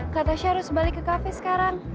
kak tasya harus balik ke kafe sekarang